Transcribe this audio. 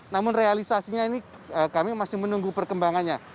namun realisasinya ini kami masih menunggu perkembangannya